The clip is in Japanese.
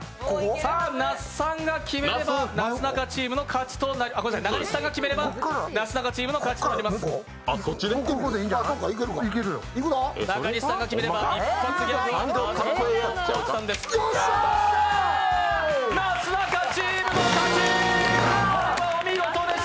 さあ中西さんが決めればなすなかチームの勝ちとなります。